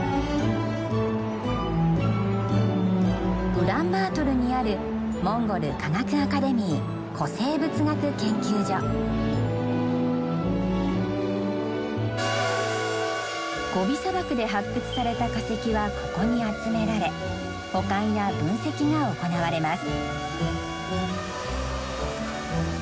ウランバートルにあるゴビ砂漠で発掘された化石はここに集められ保管や分析が行われます。